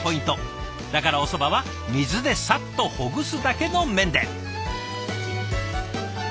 だからおそばは水でサッとほぐすだけの麺で。